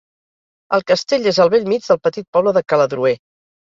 El castell és al bell mig del petit poble de Caladroer.